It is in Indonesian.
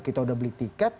kita sudah beli tiket